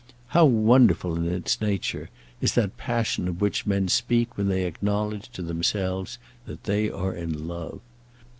How wonderful in its nature is that passion of which men speak when they acknowledge to themselves that they are in love.